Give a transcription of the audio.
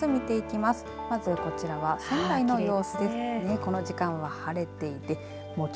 まず、こちらは仙台の様子です。